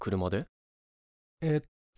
えっと。